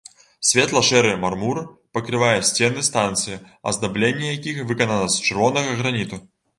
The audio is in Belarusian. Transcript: Светла-шэры мармур пакрывае сцены станцыі, аздабленне якіх выканана з чырвонага граніту.